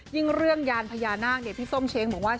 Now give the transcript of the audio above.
เรื่องยานพญานาคพี่ส้มเช้งบอกว่า